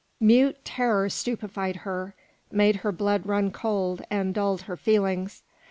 Mute terror stupefied her, made her blood run cold and dulled her feelings.